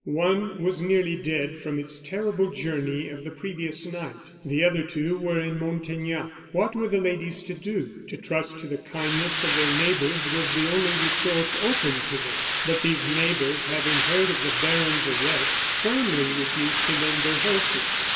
One was nearly dead from its terrible journey of the previous night; the other two were in Montaignac. What were the ladies to do? To trust to the kindness of their neighbors was the only resource open to them. But these neighbors having heard of the baron's arrest, firmly refused to lend their horses.